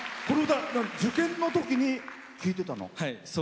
この歌受験のときに聴いてたの？